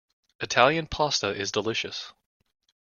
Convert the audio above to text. Italian Pasta is delicious.